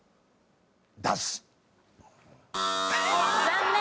残念。